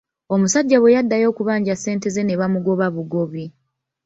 Omusajja bwe yaddayo okubanja ssente ze ne bamugoba bugobi.